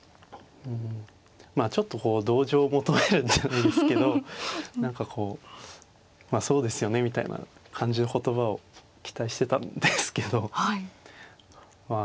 まあちょっとこう同情を求めるんじゃないんですけど何かこう「そうですよね」みたいな感じの言葉を期待してたんですけどまあ